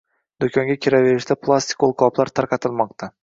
Do'konga kiraverishda plastik qo'lqoplar tarqatilmoqda